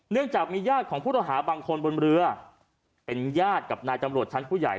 เนื่องจากมีญาติของผู้ต้องหาบางคนบนเรือเป็นญาติกับนายตำรวจชั้นผู้ใหญ่